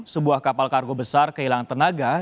sebuah kapal kargo besar kehilangan tenaga